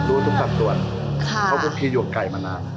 รู้ทุกสัตว์ส่วนเพราะกุ๊กกี้อยู่กับไก่มานาน